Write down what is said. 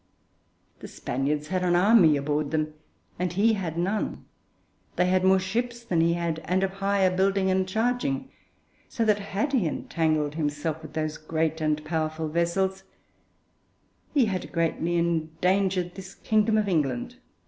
The Spaniards had an army aboard them, and he had none. They had more ships than he had, and of higher building and charging; so that, had he entangled himself with those great and powerful vessels, he had greatly endangered this kingdom of England.